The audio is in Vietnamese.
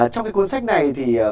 trong cái cuốn sách này thì